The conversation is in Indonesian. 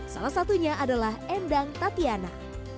salah satunya adalah endang tatiana